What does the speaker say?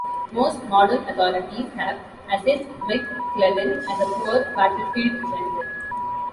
Most modern authorities have assessed McClellan as a poor battlefield general.